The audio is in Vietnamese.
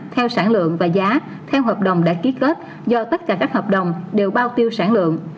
theo sản lượng và giá theo hợp đồng đã ký kết do tất cả các hợp đồng đều bao tiêu sản lượng